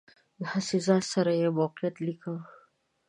هسې ځان سره یې موقعیت لیکم.